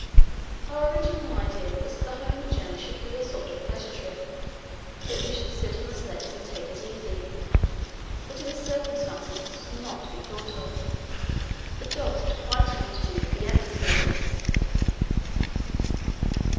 Our original idea was that the homeward journey should be a sort of pleasure trip, that we should sit on the sledges and take it easy; but in the circumstances this was not to be thought of. The dogs had quite enough to do with the empty sledges.